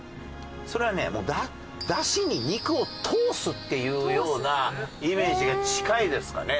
それはねもう出汁に肉を通すっていうようなイメージが近いですかね。